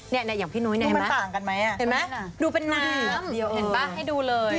เนี่ยอย่างพี่หนุ๊ยนายเห็นมั้ยเห็นมั้ยดูเป็นน้ำเห็นป่ะให้ดูเลย